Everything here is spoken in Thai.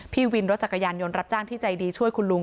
พี่วินรถจักรยานยนต์รับจ้างที่ใจดีช่วยคุณลุง